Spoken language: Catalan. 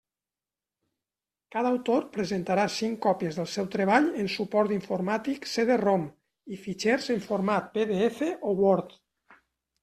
Cada autor presentarà cinc còpies del seu treball en suport informàtic CD-ROM i fitxers en format PDF o Word.